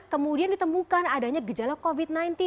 kemudian ditemukan adanya gejala covid sembilan belas